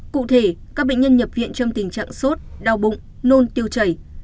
cụ thể các bệnh nhân nhập viện trong tình trạng sốt đau bụng nôn tiêu chảy